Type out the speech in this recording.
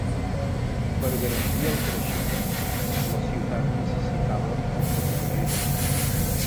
Per garantir el creixement, la ciutat necessitava el ferrocarril.